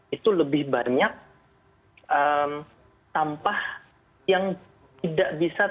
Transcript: itu lebih banyak sampah yang tidak bisa